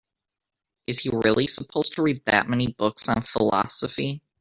Is he really supposed to read that many books on philosophy?